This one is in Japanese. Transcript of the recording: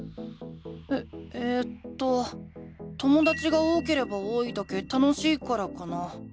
ええとともだちが多ければ多いだけ楽しいからかな。